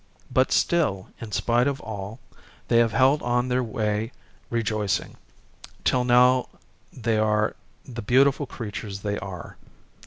But still, in spite of all, they have held on their way rejoicing, till now they are the beautiful crea tures they are.